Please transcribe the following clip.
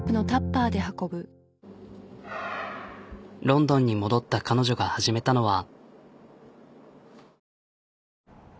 ロンドンに戻った彼女が始めたのは。